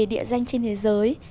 địa danh trên thế giới